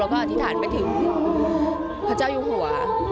แล้วก็อธิษฐานไปถึงพระเจ้าอยู่หัว